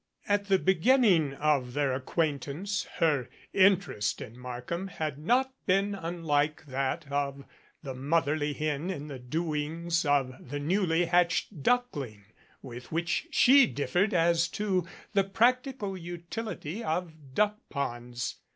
At the beginning of their acquaintance her interest in Markham had not been unlike that of the motherly hen in the doings of the newly hatched duckling with which she differed as to the practical utility of duckponds.